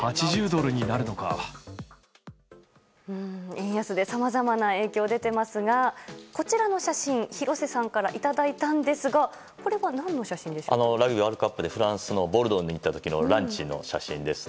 円安でさまざまな影響が出ていますがこちらの写真、廣瀬さんからいただいたんですがラグビーワールドカップでフランスのボルドーに行った時のランチの写真です。